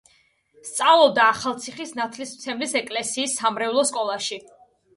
სწავლობდა ახალციხის ნათლისმცემლის ეკლესიის სამრევლო სკოლაში.